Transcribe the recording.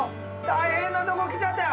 大変なとこ来ちゃったよ！